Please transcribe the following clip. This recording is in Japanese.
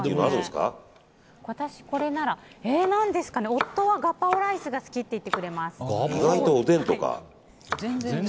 夫はガパオライスが好きって言ってくれます。